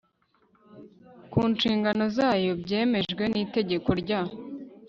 ku nshingano zayo byemejwe n Iteka rya